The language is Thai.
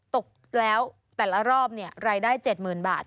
ตกแล้วแต่ละรอบรายได้๗๐๐๐บาท